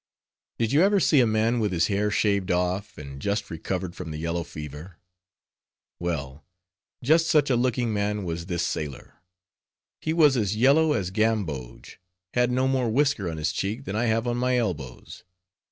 Did you ever see a man, with his hair shaved off, and just recovered from the yellow fever? Well, just such a looking man was this sailor. He was as yellow as gamboge, had no more whisker on his cheek, than I have on my elbows.